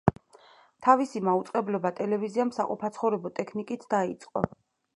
თავისი მაუწყებლობა ტელევიზიამ საყოფაცხოვრებო ტექნიკით დაიწყო.